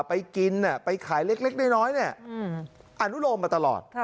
ไปกินไปขายเล็กน้อยอนุโลมมาตลอด